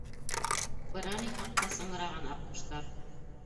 Бына ни хаҡта сыңраған аҡҡоштар.